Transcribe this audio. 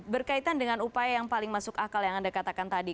berkaitan dengan upaya yang paling masuk akal yang anda katakan tadi